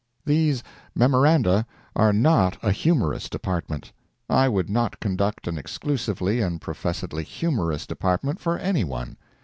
These MEMORANDA are not a "humorous" department. I would not conduct an exclusively and professedly humorous department for any one.